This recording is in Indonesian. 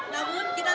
namun kita tentunya